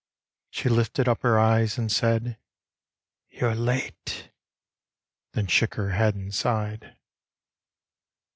She lifted up her eyes and said, " You're late." Then shook her head and sighed.